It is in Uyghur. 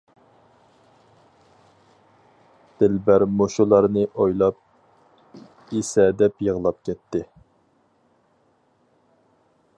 دىلبەر مۇشۇلارنى ئويلاپ ئېسەدەپ يىغلاپ كەتتى.